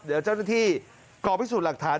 เดี๋ยวเจ้าหน้าที่กองพิสูจน์หลักฐาน